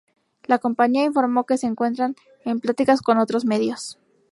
La compañía informó que se encuentra en pláticas con otros medios.